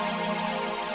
mama nggak peduli